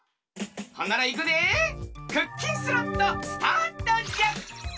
ほんならいくでクッキンスロットスタートじゃ！